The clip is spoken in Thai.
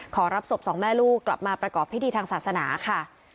ขอรับศพสองแม่ลูกกลับมาประกอบพิธีทางศาสนาค่ะ